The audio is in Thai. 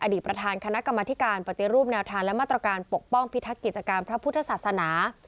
ประธานคณะกรรมธิการปฏิรูปแนวทางและมาตรการปกป้องพิทักษ์กิจการพระพุทธศาสนา